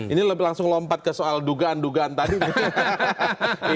ini lebih langsung lompat ke soal dugaan dugaan tadi gitu ya